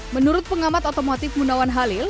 menurut pengamat otomotif munawan halil